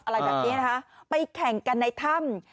อะไรแบบนี้นะคะไปแข่งกันในถ้ำ